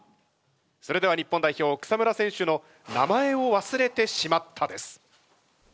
それでは日本代表草村選手の「名前を忘れてしまった」です。